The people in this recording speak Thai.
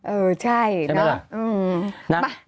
เออใช่นะ